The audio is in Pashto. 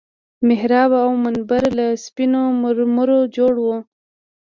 محراب او منبر له سپينو مرمرو جوړ وو.